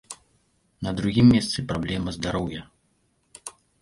На другім месцы праблема здароўя.